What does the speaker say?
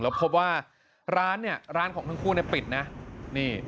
แล้วพบว่าร้านเนี่ยร้านของทั้งคู่เนี่ยปิดนะนี่